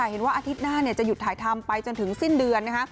อาทิตย์หน้าจะหยุดถ่ายทำไปจนถึงสิ้นเดือนนะคะ